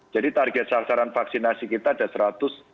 jadi target sasaran vaksinasi kita ada satu ratus enam puluh empat sembilan ratus